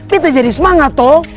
kita jadi semangat toh